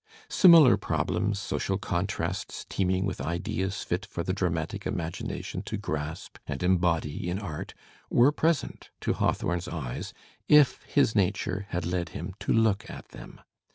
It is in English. Similar problems, social contrasts teeming with ideas fit for the dramatic imagination to grasp and embody in art, were pres ent to Hawthorne's eyes if his nature had led him to look at them.